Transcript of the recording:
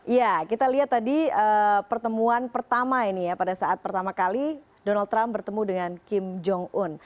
ya kita lihat tadi pertemuan pertama ini ya pada saat pertama kali donald trump bertemu dengan kim jong un